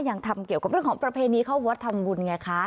ยังทำเกี่ยวกับเรื่องของประเพณีเข้าวัดทำบุญไงคะ